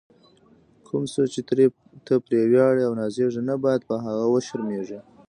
کوم څه چې ته پرې ویاړې او نازېږې، نه باید په هغه وشرمېږې.